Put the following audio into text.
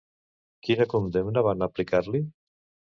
Quina condemna van aplicar-li?